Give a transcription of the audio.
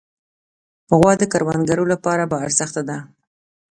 غوا د کروندګرو لپاره باارزښته ده.